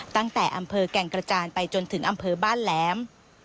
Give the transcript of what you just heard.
ตั้งแต่อำเภอแก่งกระจานไปจนถึงอำเภอบ้านแหลม